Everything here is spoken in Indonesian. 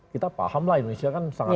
kita paham lah indonesia kan sangat